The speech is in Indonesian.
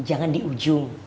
jangan di ujung